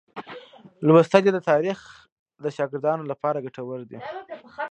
لوستل یې د تاریخ د شاګردانو لپاره ګټور دي.